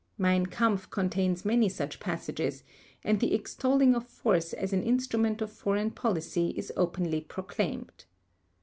Mein Kampf contains many such passages, and the extolling of force as an instrument of foreign policy is openly proclaimed.